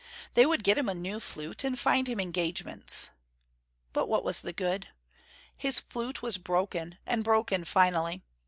They would get him a new flute, and find him engagements. But what was the good? His flute was broken, and broken finally.